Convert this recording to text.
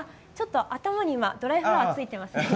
今、頭にドライフラワーがついていますね。